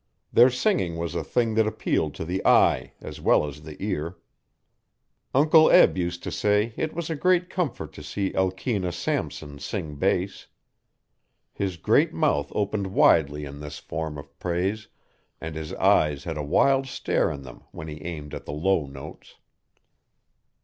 Their singing was a thing that appealed to the eye as well as the ear. Uncle Eb used to say it was a great comfort to see Elkenah Samson sing bass. His great mouth opened widely in this form of praise and his eyes had a wild stare in them when he aimed at the low notes.